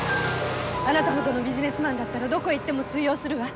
あなたほどのビジネスマンだったらどこへ行っても通用するわ。